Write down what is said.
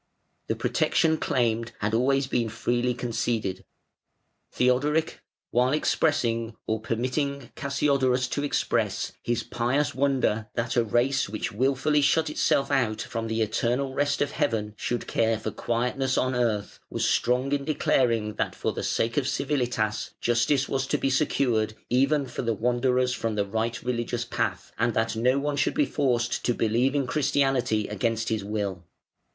The protection claimed had always been freely conceded. Theodoric, while expressing or permitting Cassiodorus to express his pious wonder that a race which wilfully shut itself out from the eternal rest of Heaven should care for quietness on earth, was strong in declaring that for the sake of civilitas justice was to be secured even for the wanderers from the right religious path, and that no one should be forced to believe in Christianity against his will.